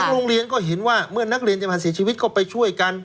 โรงเรียนก็เห็นว่าเมื่อนักเรียนจะมาเสียชีวิตก็ไปช่วยกัน